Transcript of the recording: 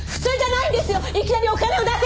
いきなりお金を出せって。